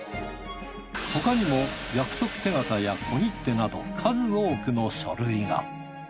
他にも約束手形や小切手など数多くの書類が。